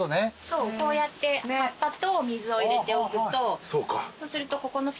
そうこうやって葉っぱと水を入れておくとそうするとここの。